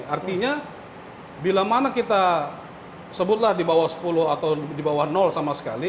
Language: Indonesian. artinya bila mana kita sebutlah di bawah sepuluh atau di bawah sama sekali